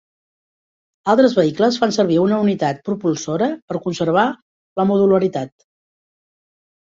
Altres vehicles fan servir una unitat propulsora per conservar la modularitat.